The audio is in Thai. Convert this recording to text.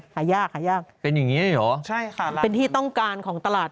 หายากหายากเป็นอย่างงี้เลยเหรอใช่ค่ะเป็นที่ต้องการของตลาด